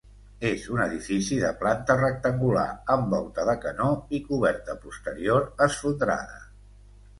És un edifici de planta rectangular amb volta de canó i coberta posterior esfondrada.